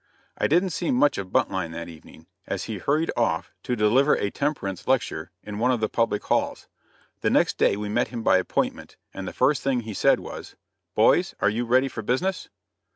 I didn't see much of Buntline that evening, as he hurried off to deliver a temperance lecture in one of the public halls. The next day we met him by appointment, and the first thing he said, was: "Boys, are you ready for business?"